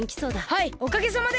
はいおかげさまで。